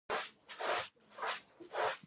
له همدې کبله تولید له سخت سقوط سره مخ شو.